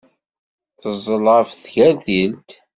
Teẓẓel ɣef tgertilt.